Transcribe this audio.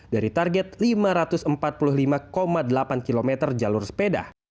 dari target lima ratus empat puluh lima delapan km jalur sepeda